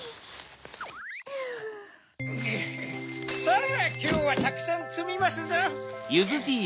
さぁきょうはたくさんつみますぞ。